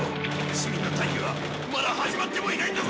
市民の退避はまだ始まってもいないんだぞ！